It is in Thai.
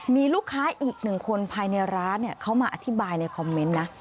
มีลูกค้าอีกหนึ่งคนภายในร้านเขามาอธิบายในคอมเมนต์นะ